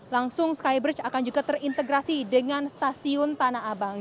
langsung skybridge akan juga terintegrasi dengan stasiun tanah abang